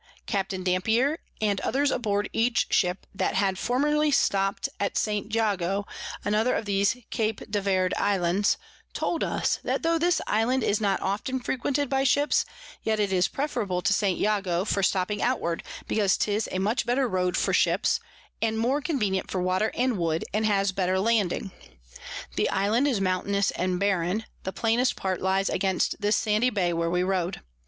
Capt. Dampier, and others aboard each Ship, that had formerly stopt at St. Jago, another of these Cape de Verd Islands, told us, that tho this Island is not often frequented by Ships, yet it is preferable to St. Jago for stopping outward, because 'tis a much better Road for Ships, and more convenient for Water and Wood, and has better Landing. The Island is mountainous and barren, the plainest part lies against this sandy Bay where we rode.